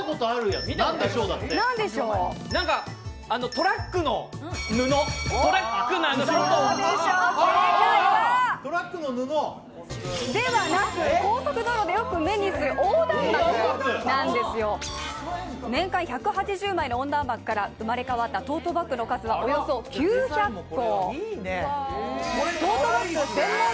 トラックの布？ではなく高速道路でよく目にする横断幕なんですよ、年間１８０枚の横断幕から生まれ変わったトートバッグの数はおよそ９００個。